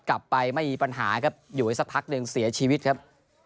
กลับไปไม่มีปัญหาครับอยู่ไว้สักพักหนึ่งเสียชีวิตครับ